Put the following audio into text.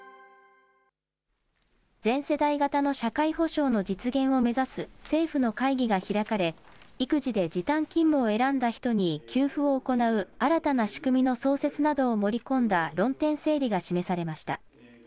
全世代型の社会保障の実現を目指す政府の会議が開かれ、育児で時短勤務を選んだ人に給付を行う新たな仕組みの創設などを盛り込んだ論点整理が示されました。